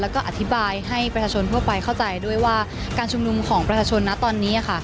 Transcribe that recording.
แล้วก็อธิบายให้ประชาชนทั่วไปเข้าใจด้วยว่าการชุมนุมของประชาชนนะตอนนี้